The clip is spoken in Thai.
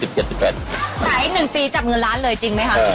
ขาย๑ปีจับเงินล้านเลยจริงไหมคะ